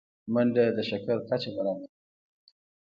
منډه د شکر کچه برابروي